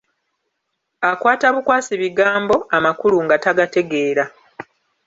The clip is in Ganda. Akwata bukwasi bigambo, amakulu nga tagategeera.